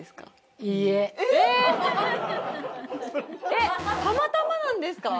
えったまたまなんですか？